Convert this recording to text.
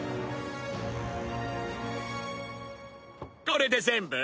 これで全部？